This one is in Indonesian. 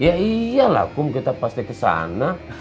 ya iyalah kum kita pasti ke sana